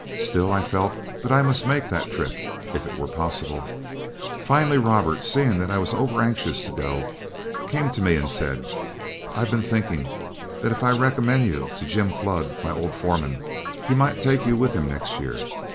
Still I felt that I must make that trip if it were possible. Finally Robert, seeing that I was overanxious to go, came to me and said: "I've been thinking that if I recommended you to Jim Flood, my old foreman, he might take you with him next year.